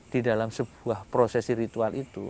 di dalam sebuah prosesi ritual itu